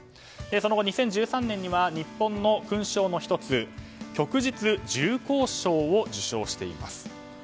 その後、２０１３年には日本の勲章の１つ旭日重光章を受章しています。